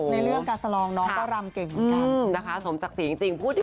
ในเรื่องกัสสลองน้องก็รำเก่งเหมือนกัน